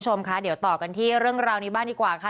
คุณผู้ชมคะเดี๋ยวต่อกันที่เรื่องราวนี้บ้างดีกว่าค่ะ